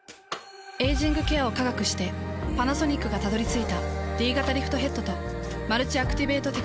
エイジングケアを科学してパナソニックがたどり着いたＤ型リフトヘッドとマルチアクティベートテクノロジー。